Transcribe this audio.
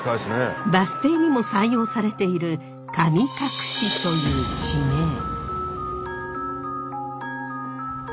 バス停にも採用されている神隠という地名。